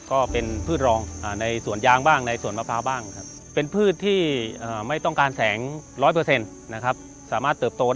ก็เป็นพืชรองในสวนยางบ้างในสวนมะพร้าวบ้างครับ